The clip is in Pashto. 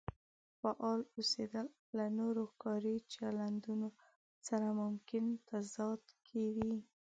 فعال اوسېدل له نورو کاري چلندونو سره ممکن تضاد کې وي.